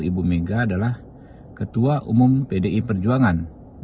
ibu mega adalah ketua umum pdi perjuangan